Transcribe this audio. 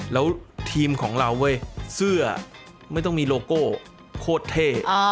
แล้วทีมของเราเว้ยเสื้อไม่ต้องมีโลโก้โคตรเท่